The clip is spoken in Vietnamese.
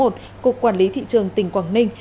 cục quản lý thị trường tỉnh quảng ninh